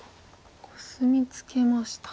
コスミツケました。